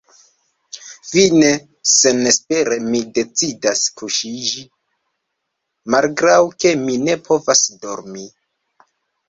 Fine, senespere, mi decidas kuŝiĝi, malgraŭ ke mi ne povas dormi.